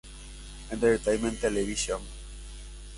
Entertaiment Television.